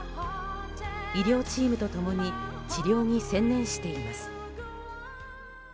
医療チームと共に治療に専念しています。